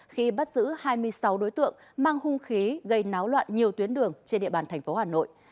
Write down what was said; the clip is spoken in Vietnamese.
khi bắt giữ hai mươi sáu đối tượng mang hung khí gây náo loạn nhiều tuyến đường trên địa bàn thành phố hà nội